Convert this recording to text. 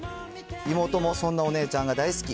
妹もそんなお姉ちゃんが大好き。